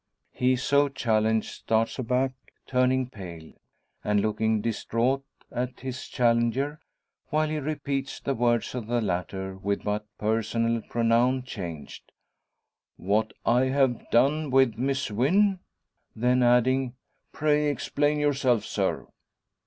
He so challenged starts aback, turning pale. And looking distraught at his challenger, while he repeats the words of the latter, with but the personal pronoun changed "What I have done with Miss Wynn!" Then adding, "Pray explain yourself, sir!"